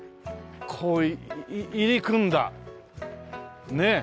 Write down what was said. こう入り組んだねえ。